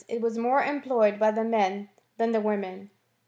95 it was more employed by the men than the women.